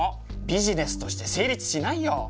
ビジネスとして成立しないよ。